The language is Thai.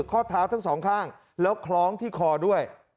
ข้อเท้าทั้งสองข้างแล้วคล้องที่คอด้วย